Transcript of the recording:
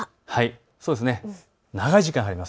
長い時間、晴れます。